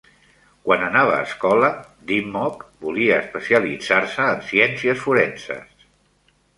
Quan anava a escola, Dimmock volia especialitzar-se en ciències forenses.